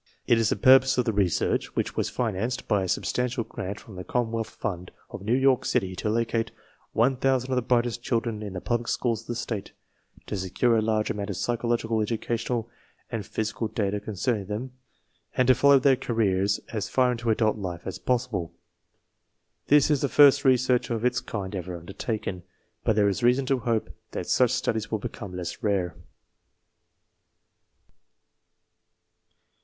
It is the purpose of the research, which was financed by a substantial grant from the Commonwealth Fund, of New York City, to locate 1000 of the brightest children THE PROBLEM 29 in the public schools of the state, to secure a large amount of psychological, educational, and physical data concerning them, and to follow their careers as far into adult life as possible. This is the first research of its land ever undertaken, but there is reason to hope that such studies will become less rare.